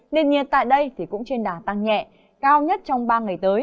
nền nhiệt tại đây cũng trên đà tăng nhẹ cao nhất trong ba ngày tới